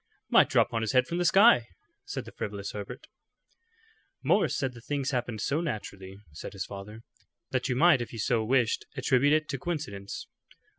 "Might drop on his head from the sky," said the frivolous Herbert. "Morris said the things happened so naturally," said his father, "that you might if you so wished attribute it to coincidence."